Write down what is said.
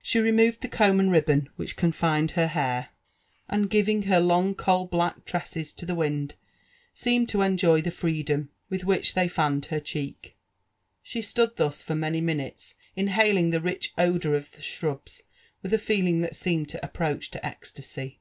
She removed the comb and ribbon which confined her hair, and giving her im LIFE AND ADVENTURES OP long ooal Uack tresses to the wjtd, seemed to enjofy the freedom.wilh which Ihey fanned her cheek. Ishe stood thus for many minutes io haling the rich odour of the shrubs with a leeliDg that seemed to ap proach to ecstasy.